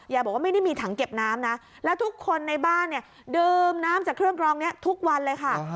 บอกว่าไม่ได้มีถังเก็บน้ำนะแล้วทุกคนในบ้านเนี่ยดื่มน้ำจากเครื่องกรองนี้ทุกวันเลยค่ะ